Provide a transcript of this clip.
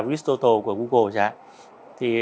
risk total của google